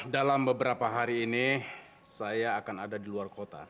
dalam beberapa hari ini saya akan ada di luar kota